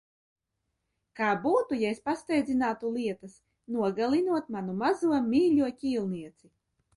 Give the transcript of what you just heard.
Kā būtu, ja es pasteidzinātu lietas, nogalinot manu mīļo, mazo ķīlnieci?